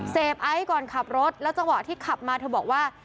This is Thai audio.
เสพไอ้ก่อนขับรถแล้วเวาะที่ขับมาเธอบอกว่า